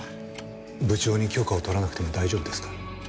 部長に許可を取らなくても大丈夫ですか？